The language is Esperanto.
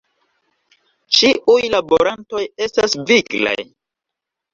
Ĉiuj laborantoj estas viglaj.